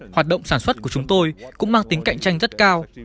hoạt động sản xuất của chúng tôi cũng mang tính cạnh tranh rất cao